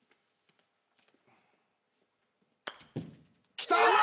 きた！